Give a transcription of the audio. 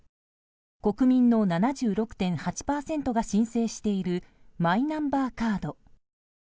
国民の７６．８％が申請しているマイナンバーカード。